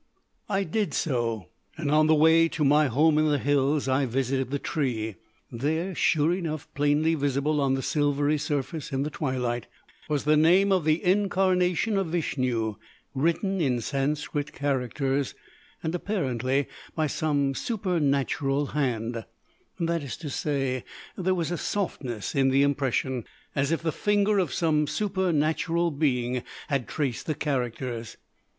"I did so, and on the way to my home in the hills visited the tree. There, sure enough, plainly visible on the silvery surface in the twilight, was the name of the incarnation of Vishnu, written in Sanskrit characters, and apparently by some supernatural hand; that is to say, there was a softness in the impression, as if the finger of some supernatural being had traced the characters.